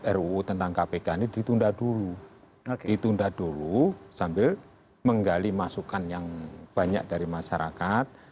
ruu tentang kpk ini ditunda dulu ditunda dulu sambil menggali masukan yang banyak dari masyarakat